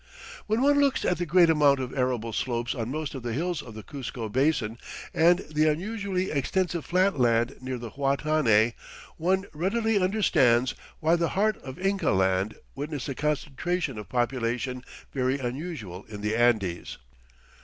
When one looks at the great amount of arable slopes on most of the hills of the Cuzco Basin and the unusually extensive flat land near the Huatanay, one readily understands why the heart of Inca Land witnessed a concentration of population very unusual in the Andes.